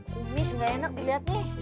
kumis ga enak diliat nih